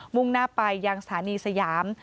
่งหน้าไปยังสถานีสยาม